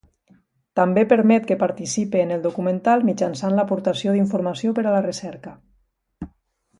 També permet que participe en el documental mitjançant l'aportació d'informació per a la recerca.